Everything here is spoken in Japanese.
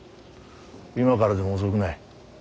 今からでも遅くない。